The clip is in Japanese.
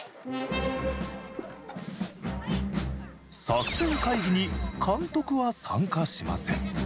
作戦会議に監督は参加しません。